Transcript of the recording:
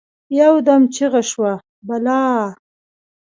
يودم چیغه شوه: «بلا!»